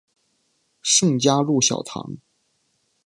圣嘉禄小堂。